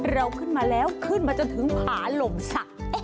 เราขึ้นมาแล้วขึ้นมาจนถึงผาหล่มสะ